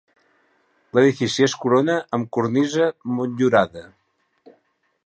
L'edifici es corona amb cornisa motllurada.